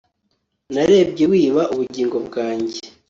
narebye wiba ubugingo bwanjye